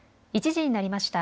１時になりました。